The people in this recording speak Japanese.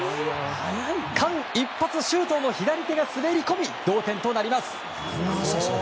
間一髪、周東の左手が滑り込み同点となります。